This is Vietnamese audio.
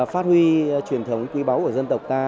phát huy truyền thống quý báu của dân tộc ta